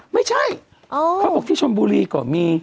ไม่ใช่เขาบอกที่ชนบุรีก็มี